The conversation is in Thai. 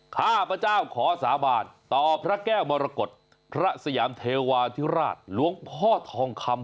ข้าพเจ้าขอสาบานต่อพระแก้วมรกฏพระสยามเทวาธิราชหลวงพ่อทองคำ